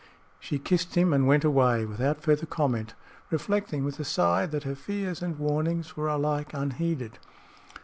She kissed him and went away without further comment, reflecting, with a sigh, that her fears and warnings were alike unheeded.